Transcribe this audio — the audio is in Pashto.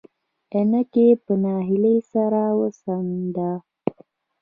عينکي په نهيلۍ سر وڅنډه.